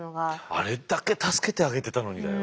あれだけ助けてあげてたのにだよ。